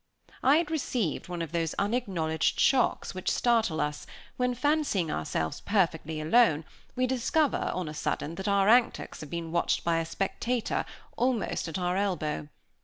I had received one of those unacknowledged shocks which startle us, when, fancying ourselves perfectly alone, we discover on a sudden that our antics have been watched by a spectator, almost at our elbow.